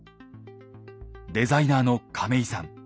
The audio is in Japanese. デザイナーの亀井さん。